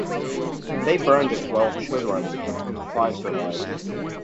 They parented twelve children of whom five survived.